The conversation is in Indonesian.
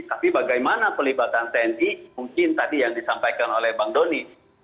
tapi bagaimana pelibatan tni mungkin tadi yang disampaikan oleh bang doni